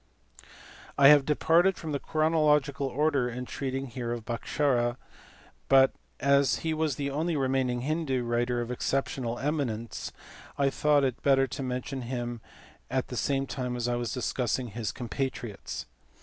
I have departed from the chronological order in treating here of Bhaskara, but as he was the only remaining Hindoo writer of exceptional eminence I thought it better to mention him at the same time as I was discussing his compatriots.